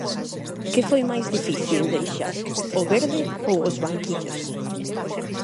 Que foi máis difícil deixar, o verde ou os banquillos?